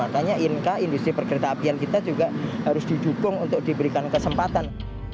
makanya inka industri perkereta apian kita juga harus didukung untuk diberikan kesempatan